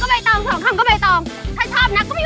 มีบริษัทที่กรุงเทพส่งเมลมาเสนองานที่ทำการตลาดนี้